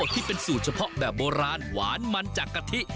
ที่เป็นสูตรเฉพาะแบบโบราณหวานมันจากกะทิ